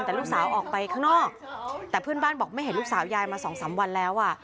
แต่ลูกสาวออกไปข้างนอกแต่เพื่อนบ้านบอกไม่เห็นลูกสาวยายมาสองสามวันแล้วอ่ะ